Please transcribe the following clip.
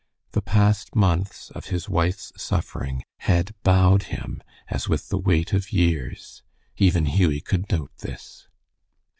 The past months of his wife's suffering had bowed him as with the weight of years. Even Hughie could note this.